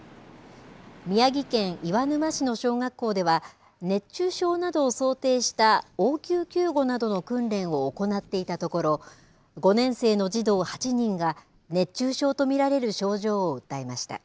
宮城県岩沼市の小学校では熱中症などを想定した応急救護などの訓練を行っていたところ５年生の児童８人が熱中症と見られる症状を訴えました。